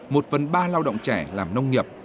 một phần ba lao động trẻ làm nông nghiệp